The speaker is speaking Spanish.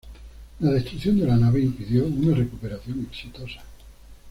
La destrucción de la nave impidió una recuperación exitosa.